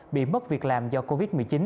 bị mất việc làm do covid một mươi chín